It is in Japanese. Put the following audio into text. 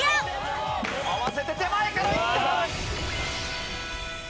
合わせて手前からいった！